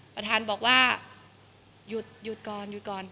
ประธานบอกว่าหยุดก่อนหยุดก่อน